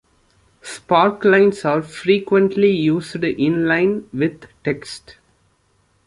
Sparklines are frequently used in line with text.